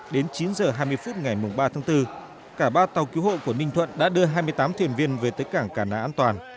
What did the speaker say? đến chín h hai mươi phút ngày ba tháng bốn cả ba tàu cứu hộ của ninh thuận đã đưa hai mươi tám thuyền viên về tới cảng cà an toàn